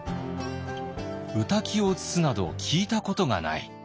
「御嶽を移すなど聞いたことがない」。